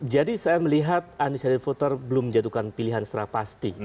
jadi saya melihat undecided voter belum menjatuhkan pilihan secara pasti